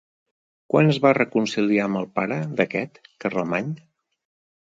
Quan es va reconciliar amb el pare d'aquest, Carlemany?